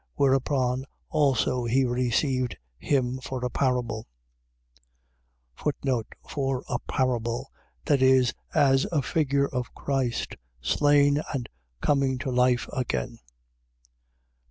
Whereupon also he received him for a parable. For a parable. . .That is, as a figure of Christ, slain and coming to life again.